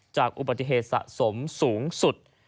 จากอุบัติเหตุสะสมสูงสุด